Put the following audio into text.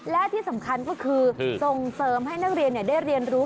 และที่สำคัญก็คือส่งเสริมให้นักเรียนได้เรียนรู้